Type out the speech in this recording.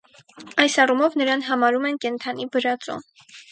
Այս առումով նրան համարում են «կենդանի բրածո»։